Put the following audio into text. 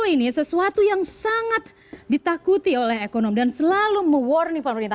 sudden reversal ini sesuatu yang sangat ditakuti oleh ekonom dan selalu mewarni pemerintah